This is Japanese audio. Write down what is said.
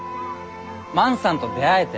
万さんと出会えて。